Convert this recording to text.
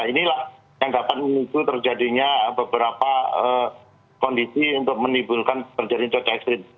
inilah yang dapat memicu terjadinya beberapa kondisi untuk menimbulkan terjadi cuaca ekstrim